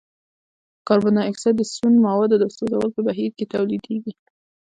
کاربن ډای اکسايډ د سون موادو د سوځولو په بهیر کې تولیدیږي.